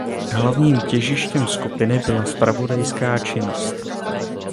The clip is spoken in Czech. Hlavním těžištěm skupiny byla zpravodajská činnost.